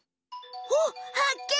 おっはっけん！